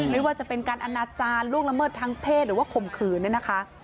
ไม่ว่าจะเป็นการอนาจารย์ล่วงละเมิดทางเพศหรือว่าข่มขืนเนี่ยนะคะ